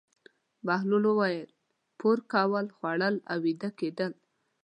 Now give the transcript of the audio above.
بهلول وویل: پور کول، خوړل او ویده کېدل.